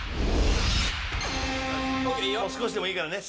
少しでもいいからね。